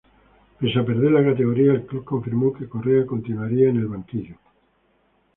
Pese a perder la categoría, el club confirmó que Correa continuaría en el banquillo.